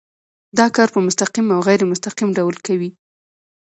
دا کار په مستقیم او غیر مستقیم ډول کوي.